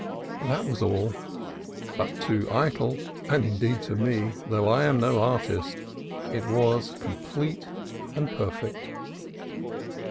That was all: but to Eytel, and indeed to me, though I am no artist, it was complete and perfect.